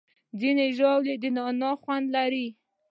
ځینې ژاولې د نعناع خوند لري.